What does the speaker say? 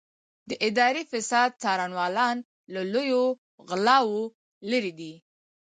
د اداري فساد څارنوالان له لویو غلاوو لېرې دي.